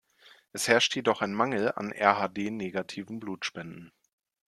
Es herrscht jedoch ein Mangel an Rhd-negativen Blutspenden.